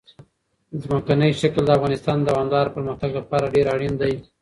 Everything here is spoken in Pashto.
ځمکنی شکل د افغانستان د دوامداره پرمختګ لپاره ډېر اړین دي.